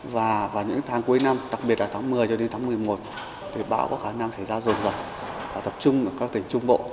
và những tháng cuối năm đặc biệt là tháng một mươi cho đến tháng một mươi một thì bão có khả năng xảy ra rồn rập và tập trung ở các tỉnh trung bộ